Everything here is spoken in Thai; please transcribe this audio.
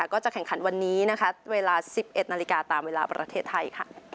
ก็จะแข่งขันวันนี้นะคะเวลา๑๑นาฬิกาตามเวลาประเทศไทย